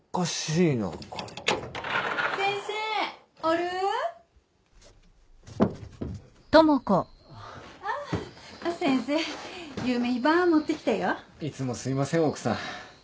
いつもすみません奥さん。